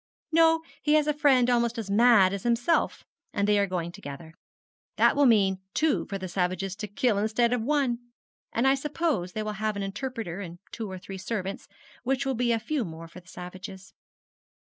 'No, he has a friend almost as mad as himself, and they are going together. That will mean two for the savages to kill instead of one; and I suppose they will have an interpreter and two or three servants, which will be a few more for the savages.'